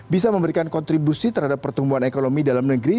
bisa memberikan kontribusi terhadap pertumbuhan ekonomi dalam negeri